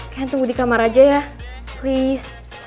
kalian tunggu di kamar aja ya please